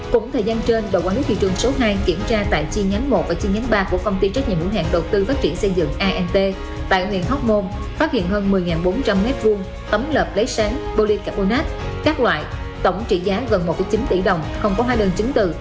cũng thời gian trên đội quản lý thị trường số hai kiểm tra tại chi nhánh một và chi nhánh ba của công ty trách nhiệm hữu hạn đầu tư phát triển xây dựng ant tại huyện hóc môn phát hiện hơn một mươi bốn trăm linh m hai tấm lợp lấy sáng boli caponact các loại tổng trị giá gần một chín tỷ đồng không có hóa đơn chứng từ